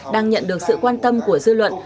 đang nhận được sự quan tâm của dư luận